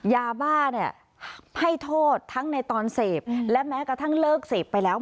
ยาบ้าเนี่ยให้โทษทั้งในตอนเสพและแม้กระทั่งเลิกเสพไปแล้ว